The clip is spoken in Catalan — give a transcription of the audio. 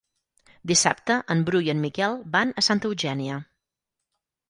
Dissabte en Bru i en Miquel van a Santa Eugènia.